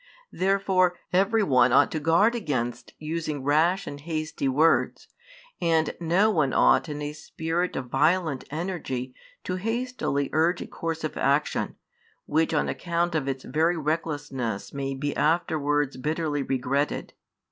Therefore every one ought to guard against using rash and hasty words, and no one ought in a spirit of violent energy to hastily urge a course of action, which on account of its very recklessness may be afterwards bitterly regretted.